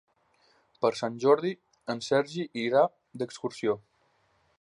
Per Sant Jordi en Sergi irà d'excursió.